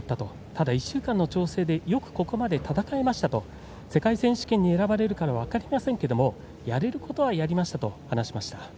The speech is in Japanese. ただ１週間の調整でよくここまで戦えましたと世界選手権に選ばれるかは分かりませんけれどもやれることはやりましたと話しました。